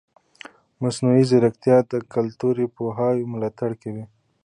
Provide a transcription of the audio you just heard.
مصنوعي ځیرکتیا د کلتوري پوهاوي ملاتړ کوي.